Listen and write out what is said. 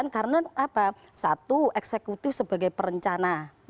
karena satu eksekutif sebagai perencana